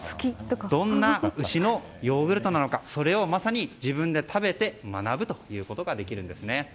どんな牛のヨーグルトなのかそれをまさに自分で食べて学ぶということができるんです。